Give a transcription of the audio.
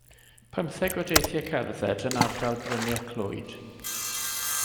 Pymtheg o deithiau cerdded yn ardal bryniau Clwyd.